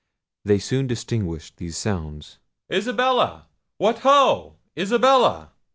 They soon distinguished these sounds— "Isabella! what, ho! Isabella!"